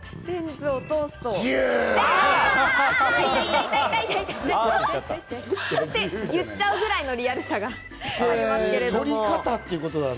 痛い、痛い！って言っちゃうくらいのリアルさがありますけれども。